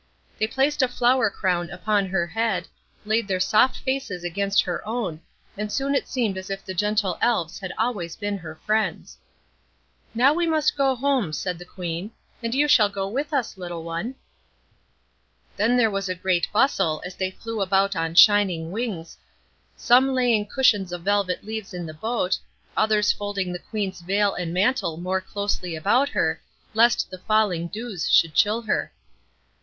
They placed a flower crown upon her head, laid their soft faces against her own, and soon it seemed as if the gentle Elves had always been her friends. "Now must we go home," said the Queen, "and you shall go with us, little one." Then there was a great bustle, as they flew about on shining wings, some laying cushions of violet leaves in the boat, others folding the Queen's veil and mantle more closely round her, lest the falling dews should chill her.